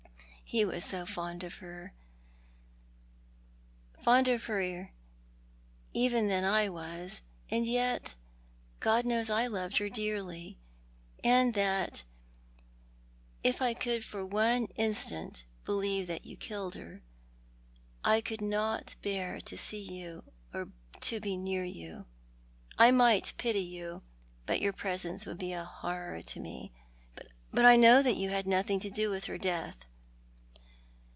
He was so fond of her— fonder of her even than I was, and yet God knows I loved her dearly, and that if I could for one instant believe that you killed her I could not bear to see you or be near you. I might pity you, but your presence would be a horror to me. But I know that you had nothing to do with her death."